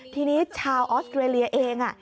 ทีนี้ชาวออสเตรเลียเอง